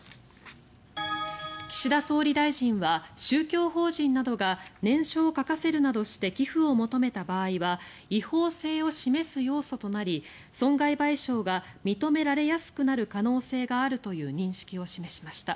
岸田総理大臣は宗教法人などが念書を書かせるなどして寄付を求めた場合は違法性を示す要素となり損害賠償が認められやすくなる可能性があるという認識を示しました。